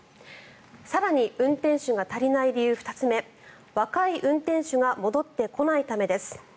更に運転手が足りない理由２つ目若い運転手が戻ってこないためです。